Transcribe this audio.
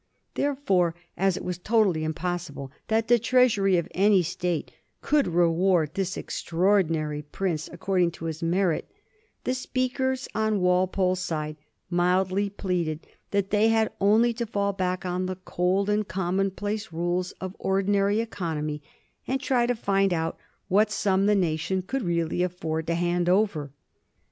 Therefore, as it was totally impossible that the treasury of any State could reward this extraordinary prince according to his merit, the speakers on Walpole's side mild ly pleaded that they had only to fall back on the cold and commonplace rules of ordinary economy, and try to find out what sum the nation could really afford to hand over.